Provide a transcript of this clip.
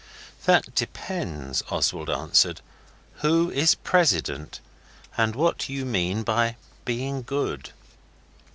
'That depends,' Oswald answered, 'who is president and what you mean by being good.